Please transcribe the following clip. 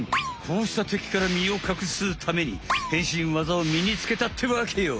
こうしたてきからみをかくすために変身わざをみにつけたってわけよ。